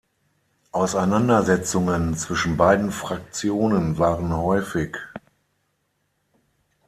Auseinandersetzungen zwischen beiden Fraktionen waren häufig.